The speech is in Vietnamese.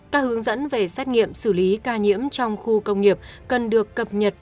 các hướng dẫn về xét nghiệm xử lý ca nhiễm trong khu công nghiệp cần được cập nhật